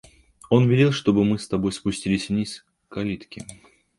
Он велел, чтобы мы с тобой спустились вниз, к калитке.